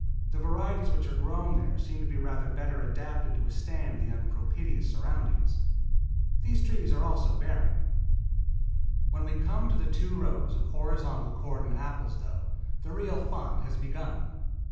The varieties which are growing there seem to be rather better adapted to withstand the unpropitious surroundings. These trees also are bearing. When we come to the two rows of horizontal cordon apples, though, the real fun has begun.